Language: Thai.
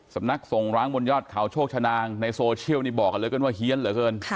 สำนักส่งร้างบนยอดเขาโชคชนางในโซเชียลนี่บอกกันเลยกันว่าเฮียนเหลือเกิน